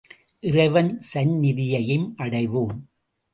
இறைவன் சந்நிதியையும் அடைவோம்.